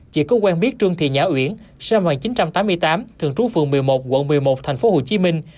chị có quen biết trương thị nhã uyển sang hoàng chín trăm tám mươi tám thường trú phường một mươi một quận một mươi một thành phố hồ chí minh